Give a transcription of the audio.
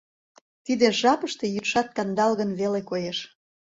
тиде жапыште йӱдшат кандалгын веле коеш.